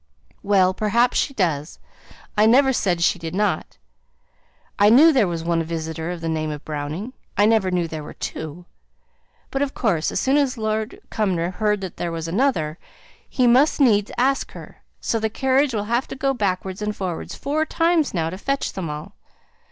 "Well, perhaps she does; I never said she did not. I knew there was one visitor of the name of Browning; I never knew there were two, but, of course, as soon as Lord Cumnor heard there was another, he must needs ask her; so the carriage will have to go backwards and forwards four times now to fetch them all.